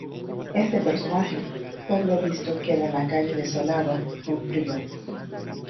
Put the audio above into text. Este personaje, por lo visto queda en la calle desolado, con frío.